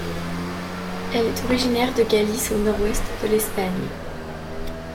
Elle est originaire de Galice au nord-ouest de l'Espagne.